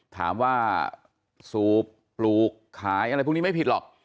ถามว่าสูบปลูกขายอะไรพวกนี้ไม่ผิดหรอก